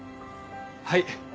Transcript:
はい！